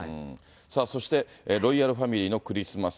そして、ロイヤルファミリーのクリスマス。